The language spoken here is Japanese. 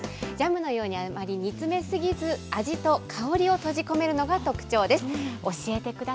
ジャムのようにあまり煮詰め過ぎず、味と香りを閉じ込めるのが特徴です。